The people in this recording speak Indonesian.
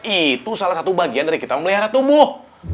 itu salah satu bagian dari kita memelihara tumbuh